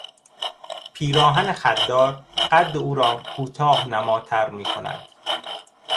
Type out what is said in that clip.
پیراهن خط دار قد او را کوتاه نماتر می کند.